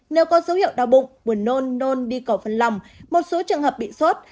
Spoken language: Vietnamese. nếu có dấu hiệu đau bụng buồn nôn nôn đi cầu phân lòng một số trường hợp bị sốt